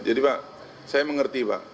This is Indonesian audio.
jadi pak saya mengerti pak